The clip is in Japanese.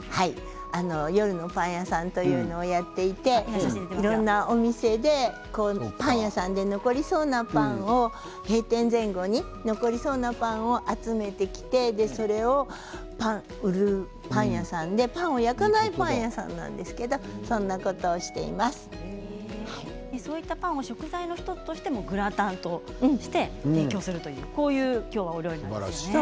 夜のパン屋さんというのをやっていていろいろなお店でパン屋さんで残りそうなパンを閉店前後に残りそうなパンを集めてきてそれを売るパン屋さんでパンを焼かないパン屋さんなんですけれどもそんなパンを食材としてグラタンとして提供するお料理なんですね。